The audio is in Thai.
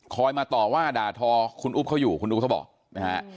มาต่อว่าด่าทอคุณอุ๊บเขาอยู่คุณอุ๊บเขาบอกนะฮะ